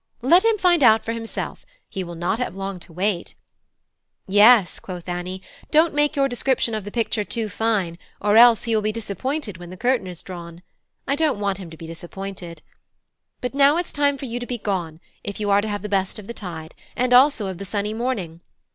Let him find out for himself: he will not have long to wait." "Yes," quoth Annie, "don't make your description of the picture too fine, or else he will be disappointed when the curtain is drawn. I don't want him to be disappointed. But now it's time for you to be gone, if you are to have the best of the tide, and also of the sunny morning.